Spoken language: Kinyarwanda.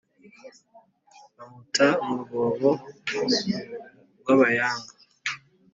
bamuta mu rwobo rwa Bayanga.